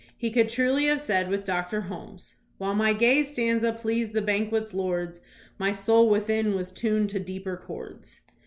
He could truly have said with Doctor Holmes: "While my gay stanza pleased the banquet's lords. My soul within was tuned to deeper chords.'